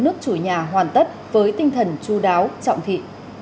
nước chủ nhà hoàn tất với tinh thần chú đáo trọng thị